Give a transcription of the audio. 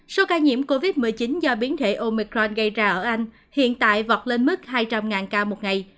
số ca nhiễm covid một mươi chín do biến thể omicron gây ra ở anh hiện tại vọt lên mức hai trăm linh ca một ngày